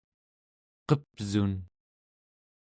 qep'sun